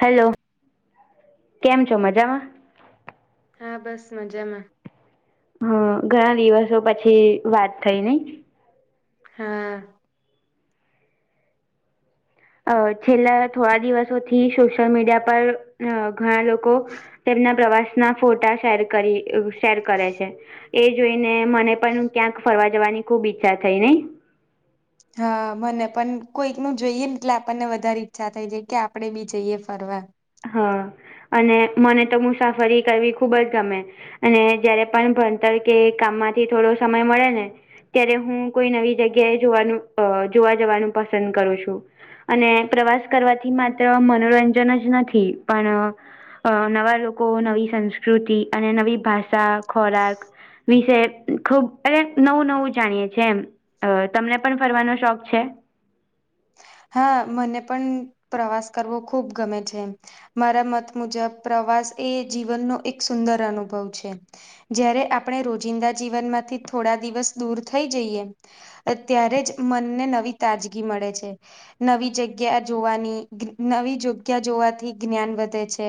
Hello [inaudible] કેમ છો મજામાં હા બસ મજામાં હમ ઘણા દિવસો પછી વાત થઈ નઈ હા અ છેલ્લા થોડા દિવસોથી સોશિયલ મીડિયા પર અ ઘણા લોકો તેમના પ્રવાસના ફોટા શેર કરી શેર કરે છે એ જોઈને મને પણ ક્યાંક ફરવા જવાની ખુબ ઈચ્છા થઈ નઈ હા મને પણ કોઈક નું જોઈએ ને એટલે આપણને વધારે ઈચ્છા થઈ જાય કે આપડે બી જઈએ ફરવા હા અને મને તો મુસાફરી કરવી ખુબ જ ગમે અને જયારે પણ ભણતર કે કામમાંથી થોડો સમય મળે ને ત્યારે હું કોઈ નવી જગ્યાએ જોવાનું જોવા જવાનું પસંદ કરું છું અને પ્રવાસ કરવાથી માત્ર મનોરંજન જ નથી પણ અ નવા લોકો નવી સંસ્કૃતિ અને નવી ભાષા ખોરાક વિશે ખુબ એટ નવું નવું જાણીએી એમ અ તમને પણ ફરવાનો શોખ છે હા મને પણ પ્રવાસ કરવો ખૂબ ગમે છે મારા મત મુજબ પ્રવાસ એ જીવનનો એક સુંદર અનુભવ છે જય્યારે આપણે રોજિંદા જીવનમાંથી થોડા દિવસ દૂર થઈ જઈએ અત્યારે જ મનને નવી તાજગી મળે છે નવી જગ્યા જોવાની નવી જગ્યા જોવાથી જ્ઞાન વધે છે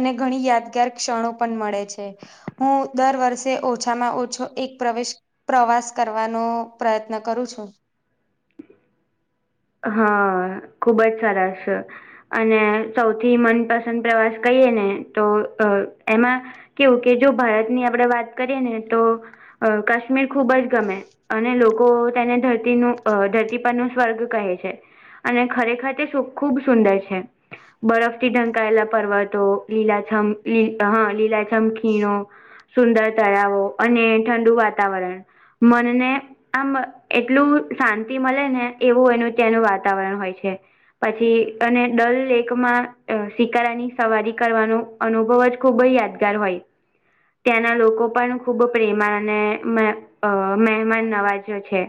અને ઘણી યાદગાર ક્ષણો પણ મળે છે હું દર વર્ષે ઓછામાં ઓછો એક પ્રવેશ પ્રવાસ કરવાનો પ્રયત્ન કરું છું હમમ ખુબ જ સરસ અને સૌથી મનપસંદ પ્રવાસ કહીએ ને તો અ એમાં કેવું કે જો ભારતની આપડે વાત કરીએ ને તો અ કાશ્મીર ખુબ જ ગમે અને લોકો તેને ધરતીનું ધરતી પરનું સ્વર્ગ કહે છે અને ખરેખર તે સુખ ખૂબ સુંદર છે બરફથી ઢંકાયલા પરવડતો લીલાછમ લ હા લીલાછમ ખીણો સુંદર તળાવો અને ઠંડુ વાતાવરણ મનને આમ એટલું શાંતિ મળે ને એ બ એનું ત્યાંનું વાતાવરણ હોય છે. પછી અને ડલ લેકમાં સિકારાની સવારી કરવાનું. અનુભવ જ ખુબ જ યાદગાર હોય. ત્યાંના લોકો પણ ખૂબ પ્રેમા અને અ મહેમાન નવાજો છે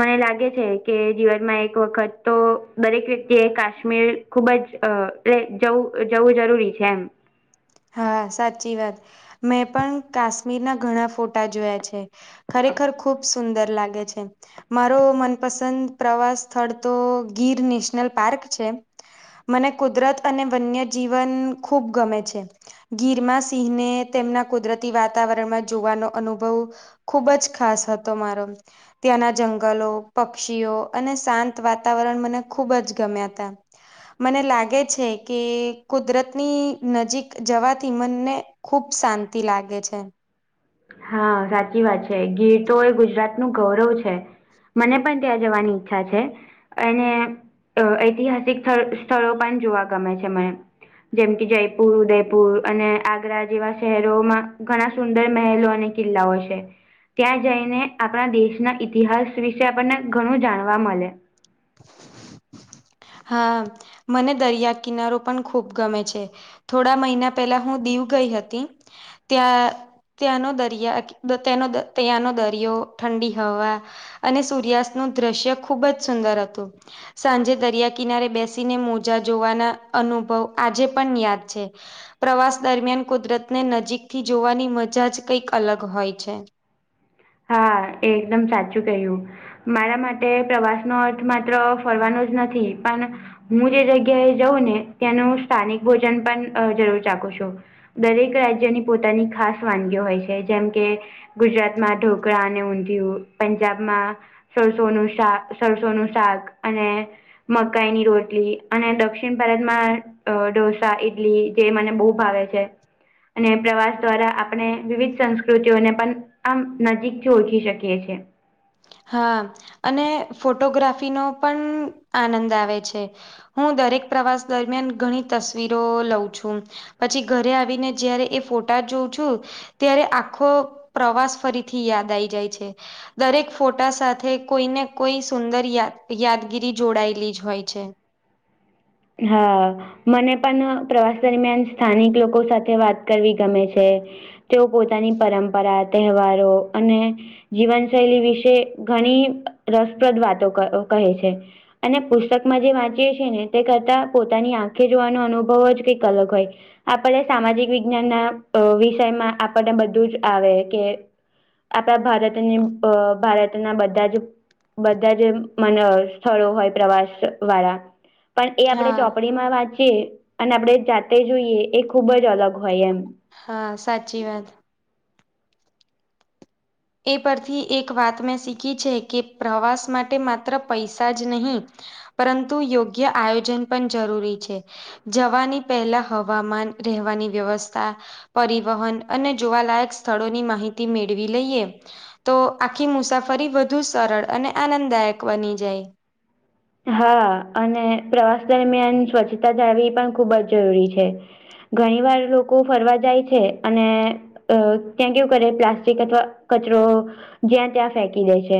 મને લાગે છે કે દિવસ એક વખત તો દરેક વ્યક્તિ એ કાશ્મીર ખુબ જ એટલે જવું જવું જરૂરી છે એમ હા સાચી વાત મેં પણ કાશ્મીરના ઘણા ફોટા જોયા છે. ખરેખર ખુબ સુંદર લાગે છે. મારો મનપસંદ પ્રવાસ સ્થળ તો ગીર નેશનલ પાર્ક છે. મને કુદરત અને વન્યજીીવન ખૂબ ગમે છે. ગીરમા સિંહને તેમના કુદરતી વાતાવરણમાં જોવાનો અનુભવ ખુબ જ ખાસ હતો મારો. ત્યાંના જંગલો પક્ષીઓ અને શાંત વાતાવરણ મને ખૂબ જ ગમ્યા તા મને લાગે છે કે કુદરતની નજીક જવાથી મનને ખુબ શાંતિ લાગે છે. હા સાચી વાત છે ગીર તો એ ગુજરાત નું ગૌરવ છે. મને પણ ત્યાં જવાની ઈચ્છા છે. અને અ ઐતિહાસિક સ્થળ સ્થળો પણ જોવા ગમે છે મને. જેમ કે જયપુર ઉદયપુર અને આગ્રા જેવા શહેરોમાં ઘણા સુંદર મહેલો ને કિલ્લાઓ છે. ત્યાં જઈને આપણા દેશના ઇતિહાસ વિશે આપણને ઘણું જાણવા મલે. [inaudible] હા મને દરિયાકિનારો પણ ખૂબ ગમે છે. થોડા મહિના પેલા હું દીવ ગઈ હતી ત્યાં ત્યાંનો દરિયા ક તેનો દ ત્યાંનો દરિયો ઠંડી હવા અને સૂર્યાસ્ત નું દ્રશ્ય ખુબ જ સુંદર હતો. સાંજે દરિયા કિનારે બેસીને મોજા જોવાના અનુભવ આજે પણ યાદ છે. પ્રવાસ દરમિયાન કુદરતને નજીક થી જોવાની મજા જ કંઈક અલગ હોય છે. હા એ એકદમ સાચું કહ્યું. મારા માટે પ્રવાસ નો અર્થ માત્ર ફરવાનો જ નથી પણ હું જે જગ્યાએ જઉં ને ત્યાંનું સ્થાનિક ભોજન પણ અ જરૂર ચાખું છું. દરેક રાજ્યની પોતાની ખાસ વાનગીઓ હોય છે જેમ કે ગુજરાતમાં ઢોકળા અને ઊંધિયું પંજાબમાં સોસો નું શાક સરસો નું શાક અને મકાઈની રોટલી અને દક્ષિણ ભારતમાં અ ઢોસા ઈડલી જે મને બહુ ભાવે છે. અને પ્રવાસ દ્વારા આપણે વિવિધ સંસ્કૃતિઓને પણ આમ નજીકથી ઓળખી શકીએ છીએ. હા અને ફોટોગ્રાફીનો પણ આનંદ આવે છે. હું દરેક પ્રવાસ દરમિયાન ઘણી તસવીરો લઉં છું. પછી ઘરે આવીને જયારે એ ફોટા જોઉં છું. ત્યારે આખો પ્રવાસ ફરીથી યાદ આઈ જાય છે દરેક ફોટા સાથે કોઈ ને કોઈ સુંદર યાદ યાદગીરી જોડાયેલી જ હોય છે. હા મને પણ પ્રવાસ દરમિયાન સ્થાનિક લોકો સાથે વાત કરવી ગમે છે. તેઓ પોતાની પરંપરા તહેવારો અને જીવનશૈલી વિશે ઘણી રસપ્રદ વાતો ક કહે છે. અને પુસ્તકમાં જે વાંચીયે છીએ ને. તે કરતા પોતાની આંખે જોવાનો અનુભવ જ કંઈક અલગ હોય. આપણે સામાજિક વિજ્ઞાન ના અ વિષયમાં આપણને બધું જ આવે કે આપણા ભારતની અ ભારતના બધા જ બધા જ એમ મન સ્થળો હોય પ્રવાસ વાળા પણ એ આપણે હા ચોપડીમાં વાંચીએ અને આપણે જાતે જોઈએ એ ખુબ જ અલગ હોય એમ. હા સાચી વાત. એ પરથી એક વાત મેં શીખી છે કે પ્રવાસ માટે માત્ર પૈસા જ નહીં પરંતુ યોગ્ય આયોજન પણ જરૂરી છે. જવાની પહેલા હવામાન રહેવાની વ્યવસ્થા પરિવહન અને જોવાલાયક સ્થળોની માહિતી મેળવી લઈએ. તો આખી મુસાફરી વધુ સરળ અને આનંદદાયક બની જાય. હા અને પ્રવાસ દરમિયાન સ્વચ્છતા જાળવી પણ ખૂબ જ જરૂરી છે. ઘણી વાર લોકો ફરવા જાય છે અને અ ત્યાં કેવું કરે પ્લાસ્ટિક અથવા કચરો જ્યાં ત્યાં ફેકી દે છે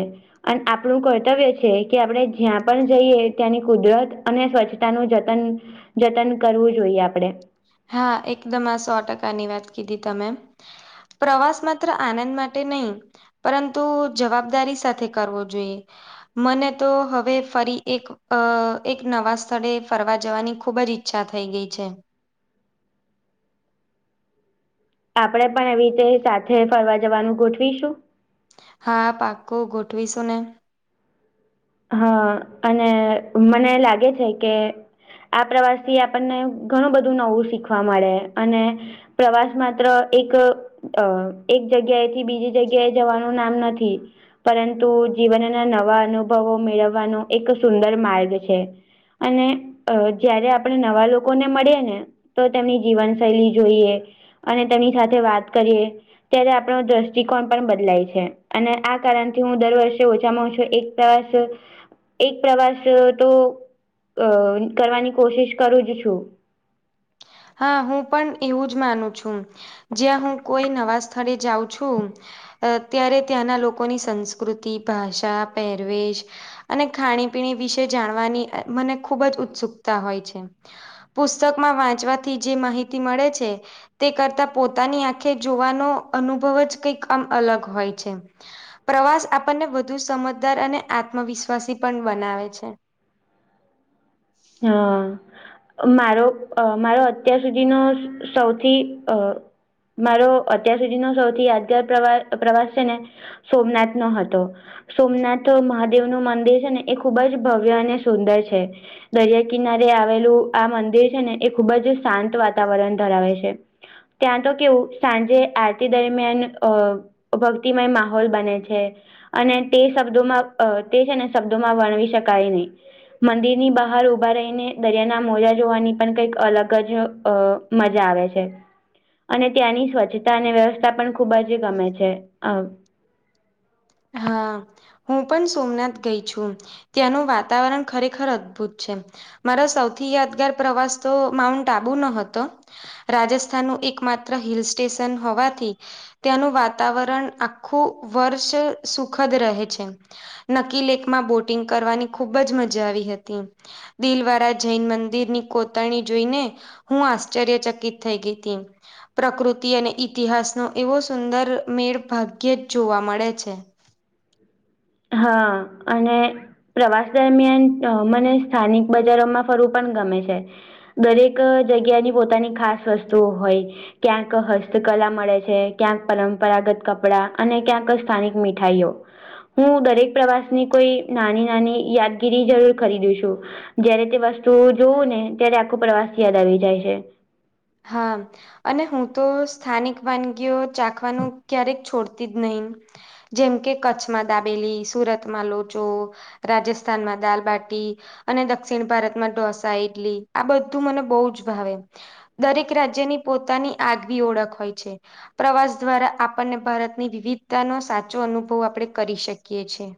અને આપણું કર્તવ્ય છે કે આપણે જ્યાં પણ જઈએ ત્યાંની કુદરત અને સ્વચ્છતા નું જતન જતન કરવું જોઈએ આપણે. હા એકદમ આ સો ટકા ની વાત કીધી તમે. પ્રવાસ માત્ર આનંદ માટે નહીં પરંતુ જવાબદારી સાથે કરવો જોઈએ મને તો હવે ફરી એક અ એક નવા સ્થળે ફરવા જવાની ખુબ જ ઈચ્છા થઈ ગઈ છે. આપડે પણ એવી રીતે સાથે ફરવા જવાનું ગોઠવીશું. હા પાકુ ગોઠવીશું ને. હા અને મને લાગે છે કે આ પ્રવાસ થી આપણને ઘણું બધું નવું શીખવા મળે અને પ્રવાસ માત્ર એક અ એક જગ્યાએથી બીજી જગ્યાએ જવાનું નામ નથી. પરંતુ જીવનના નવા અનુભવો મેળવવાનો એક સુંદર માર્ગ છે. અને અ જયારે આપણે નવા લોકો ને મળીએ ને તો તેમની જીવનશૈલી જોઈએ અને તેમની સાથે વાત કરીએ ત્યારે આપણો દ્રષ્ટિકોણ પણ બદલાય છે અને આ કારણથી હું દર વર્ષે ઓછામાં ઓછો એક પ્રવાસે એક પ્રવાસ તો અ કરવાની કોશિશ કરું જ છું. હા હું પણ એવું જ માનું છું જ્યાં હું કોઈ નવા સ્થળે જાઉં છું અ ત્યારે ત્યાંના લોકોની સંસ્કૃતિ ભાષા પહેરવેશ અને ખાણી પીણી વિશે જાણવાની મને ખુબ જ ઉત્સુકતા હોય છે. પુસ્તકમાં વાંચવાથી જે માહિતી મળે છે તે કરતા પોતાની આંખે જોવાનો અનુભવ જ કઈક આમ અલગ હોય છે. પ્રવાસ આપણને વધુ સમજદાર અને આત્મવિશ્વાસી પણ બનાવે છે. હા. મારો મારો અત્યાર સુધીનો સૌથી અ મારો અત્યાર સુધીનો સૌથી યાદગાર પ્રવા પ્રવાસ છે ને સોમનાથ નો હતો. સોમનાથ મહાદેવનું મંદિર છે ને એ ખુબ જ ભવ્ય અને સુંદર છે. દરિયા કિનારે આવેલું આ મંદિર છે ને એ ખૂબ જ શાંત વાતાવરણ ધરાવે છે. ત્યાં તો કેવું સાંજે આરતી દરમિયાન અ ભક્તિમય માહોલ બને છે. અને તે શબ્દોમાં અ તે છે, ને શબ્દોમાં વર્ણવી શકાય ની મંદિરની બા બહાર ઉભા રહીને દરિયાના મોજા જોવાની પણ કઈક અલગ જ અ મજા આવે છે. અને ત્યાંની સ્વચ્છતા અને વ્યવસ્થા પણ ખૂબ જ ગમે છે અ હા. હું પણ સોમનાથ ગઈ છું ત્યાંનું વાતાવરણ ખરેખર અદભુત છે. મારો સૌથી યાદગાર પ્રવાસ તો માઉન્ટ આબુનો હતો. રાજસ્થાનનું એક માત્ર હિલ સ્ટેશન હોવાથી ત્યાંનું વાતાવરણ આખું વર્ષ સુખદ રહે છે. નકી લેક માં બોટિંગ કરવાની ખૂબ જ મજા આવી હતી દિલવારા જૈન મંદિરની કોતરણી જોઈને હું આશ્ચર્ય ચકિત થઈ ગઈ તી એમ પ્રકૃતિ અને ઇતિહાસનો એવો સુંદર મેળ ભાગ્ય જ જોવા મળે છે. હા અને પ્રવાસ દરમિયાન અ મને સ્થાનિક બજારોમાં ફરવુ પણ ગમે છે. દરેક જગ્યાની પોતાની ખાસ વસ્તુઓ હોય ક્યાંક હસ્તકલા મળે છે, ક્યાંક પરંપરાગત કપડાં અને ક્યાંક સ્થાનિક મીઠાઈઓ હું દરેક પ્રવાસની કોઈ નાની નાની યાદગીરી જરૂર ખરીદું છું જયારે તે વસ્તુ જોવું ને ત્યારે આખો પ્રવાસ યાદ આવી જાય છે. હા. અને હું તો સ્થાનિક વાનગીઓ ચાખવાનું ક્યારેક છોડતી જ નહી જેમકે કચ્છમાં દાબેલી, સુરતમાં લોચો રાજસ્થાનમાં દાલબાટી અને દક્ષિણ ભારતમાં ઢોસા, ઇડલી આ બધું મને બો જ ભાવે દરેક રાજ્યની પોતાની આગવી ઓળખ હોય છે. પ્રવાસ દ્વારા આપણને ભારતની વિવિધતાનો સાચો અનુભવ આપણે કરી શકીએ છે.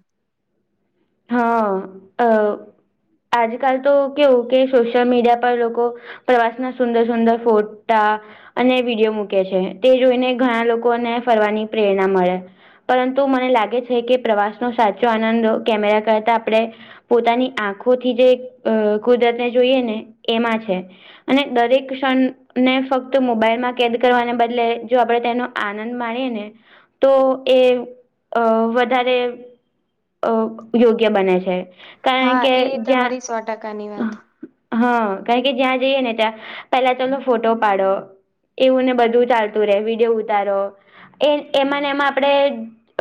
હા અ આજકાલ તો કેવું કે સોશિયલ મીડિયા પર લોકો પ્રવાસના સુંદર સુંદર ફોટા અને વિડીયો મૂકે છે, તે જોઈને ઘણા લોકોને ફરવાની પ્રેરણા મળે પરંતુ મને લાગે છે, કે પ્રવાસનો સાચો આનંદ કેમેરા કરતા આપણે પોતાની આંખોથી જે અ કુદરતને જોઈએ ને એમાં છે. અને દરેક ક્ષણ ને ફક્ત મોબાઈલમાં કેદ કરવાને બદલે જો આપણે તેનો આનંદ માણીએ ને તો એ અ વધારે અ યોગ્ય બને છે. કારણ હા કે એ જ્યાં તમારી સો ટકાની વાત હા કારણ કે જ્યાં જઈએ ને ત્યાં પેલા ચલો ફોટો પાડો એવું ને બધું ચાલતું રે વિડયો ઉતારો એ એમાંને એમાં આપડે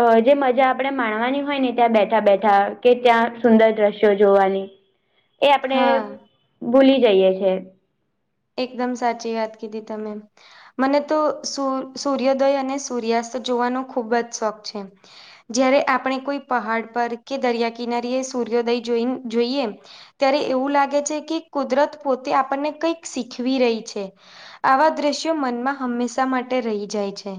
અ જે મજા આપણે માણવાની હોય ને ત્યાં બેઠા બેઠા કે ત્યાં સુંદર દ્રશ્યો જોવાની એ આપણે હા ભૂલી જઈએ છે. એકદમ સાચી વાત કીધી તમે મને તો સૂ સૂર્યોદય અને સૂર્યાસ્ત જોવાનો ખૂબ જ શોખ છે. જયારે આપણે કોઈ પહાડ પર કે દરિયા કિનારી એ સૂર્યોદય જોઈ જોઈએ ત્યારે એવું લાગે છે, કે કુદરત પોતે આપણને કઈક શીખવી રહી છે, આવા દ્રશ્યો મનમાં હંમેશા માટે રહી જાય છે.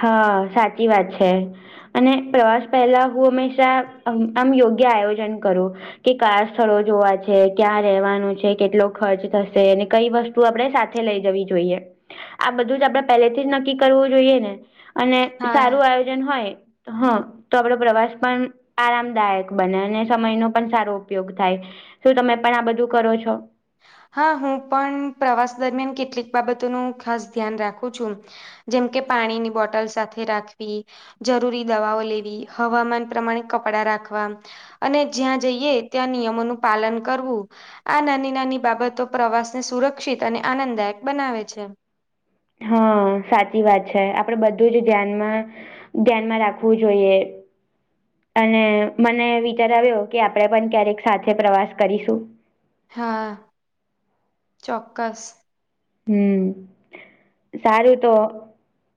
હા સાચી વાત છે. અને પ્રવાસ પહેલા હું હંમેશા આમ આમ યોગ્ય આયોજન કરું કે કયા સ્થળો જોવા છે, ક્યાં રેવાનું છે, કેટલો ખર્ચ થશે અને કઈ વસ તુ આપણે સાથે લઈ જવી જોઈએ, આ બધું જ આપણેે પેલેથી જ નક્કી કરવું જોઈએ ને? અને હા સારું આયોજન હોય. હ. તો આપડો પ્રવાસ પણ આરામદાયક બને અને સમયનો પણ સારો ઉપયોગ થાય. શું તમે પણ આ બધું કરો છો? હા હું પણ પ્રવાસ દરમિયાન કેટલીક બાબતોનું ખાસ ધ્યાન રાખું છું જેમ કે પાણીની બોટલ સાથે રાખવી જરૂરી દવાઓ લેવી હવામાન પ્રમાણે કપડા રાખવા અને જ્યાં જઈએ ત્યાં નિયમોનું પાલન કરવું આ નાની નાની બાબતો પ્રવાસને સુરક્ષિત અને આનંદદાયક બનાવે છે. હા સાચી વાત છે આપડે બધું જ ધ્યાનમાં ધ્યાનમાં રાખવું જોઈએ. અને મને વિચાર આવ્યો કે આપણેે પણ ક્યારેક સાથે પ્રવાસ કરીશું. હા ચોક્કસ. હમ્મ સારું તો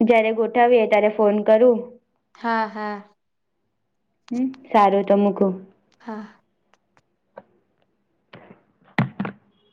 જયારે ગોઠવીએ ત્યારે ફોન કરું. હા હા. હમ્મ સારું તો મૂકું. હા.